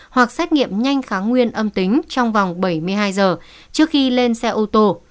hoặc xét nghiệm nhanh kháng nguyên âm tính trong vòng bảy mươi hai giờ trước khi lên xe ô tô